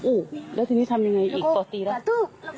โอ้โหแล้วทีนี้ทำยังไงอีกต่อตีแล้ว